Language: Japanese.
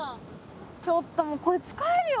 ちょっともうこれ使えるよ。